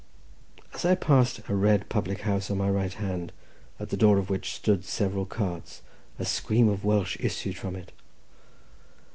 As I passed a red public house on my right hand, at the door of which stood several carts, a scream of Welsh issued from it.